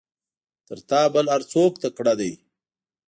تر تا بل هر څوک تکړه ده.